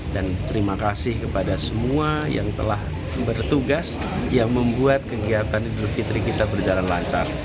dan terima kasih kepada semua yang telah bertugas yang membuat kegiatan idul fitri kita berjalan lancar